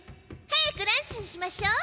早くランチにしましょう。